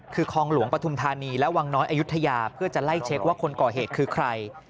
คือคลองหลวงปฐุมธานีและวังน้อยอายุทยาเพื่อจะไล่เช็คว่าคนก่อเหตุคือใคร